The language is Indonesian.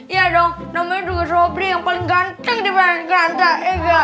iya dong namanya juga shobri yang paling ganteng dibanding ganteng